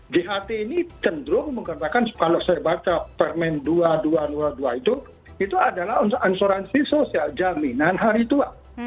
jht ini cenderung mengatakan kalau saya baca permen dua ribu dua puluh dua itu itu adalah untuk ansuransi sosial jaminan hari tua